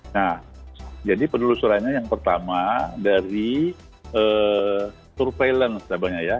nah jadi penelusurannya yang pertama dari surveillance namanya ya